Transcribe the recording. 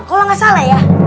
kalau gak salah ya